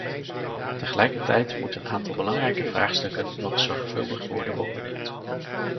Tegelijkertijd moet een aantal belangrijke vraagstukken nog zorgvuldig worden beoordeeld.